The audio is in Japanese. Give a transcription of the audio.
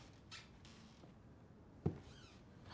あ。